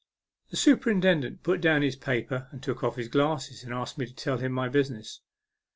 The superintendent put down his paper and took off his glasses, and asked me to tell him my business.